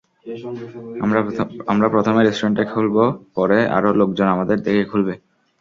আমরা প্রথমে রেস্টুরেন্ট খুলবো, পরে আরো লোকজন আমাদের দেখে খুলবে।